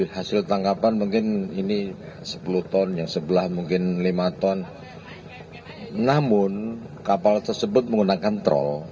kapal kapal ikan asing tersebut